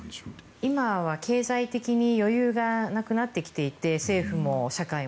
今は経済的に余裕がなくなってきていて政府も社会も。